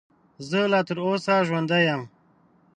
زه لا تر اوسه ژوندی یم .